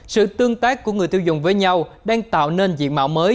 sự tương tác của người tiêu dùng với nhau đang tạo nên diện mạo mới